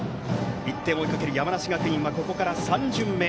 １点を追いかける山梨学院はここから３巡目。